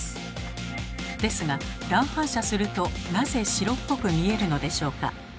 ですが乱反射するとなぜ白っぽく見えるのでしょうか。